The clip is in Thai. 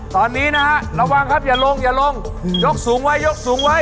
ตอนนี้นะฮะระวังครับอย่าลงอย่าลงยกสูงไว้ยกสูงไว้